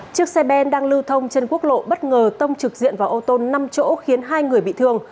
chiếc xe ben đang lưu thông trên quốc lộ bất ngờ tông trực diện vào ô tô năm chỗ khiến hai người bị thương